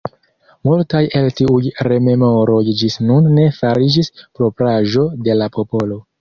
Multaj el tiuj rememoroj ĝis nun ne fariĝis propraĵo de la popolo.